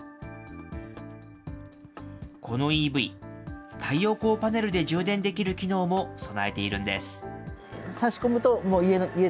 このＥＶ、太陽光パネルで充電できる機能も備えているんです。